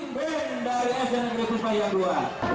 marching band dari agen kursus saya yang dua